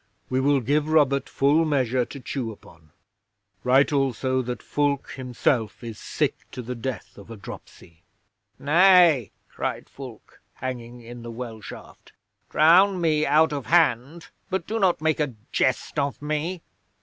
We will give Robert full measure to chew upon. Write also that Fulke himself is sick to death of a dropsy." '"Nay!" cried Fulke, hanging in the well shaft. "Drown me out of hand, but do not make a jest of me."